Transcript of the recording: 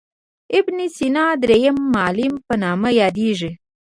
ابن سینا درېم معلم په نامه یادیږي.